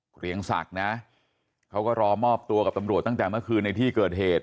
เกรียงศักดิ์นะเขาก็รอมอบตัวกับตำรวจตั้งแต่เมื่อคืนในที่เกิดเหตุ